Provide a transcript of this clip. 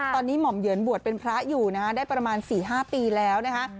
ตอนนี้หม่อมเหยินบวชเป็นพระอยู่นะฮะได้ประมาณ๔๕ปีแล้วนะคะ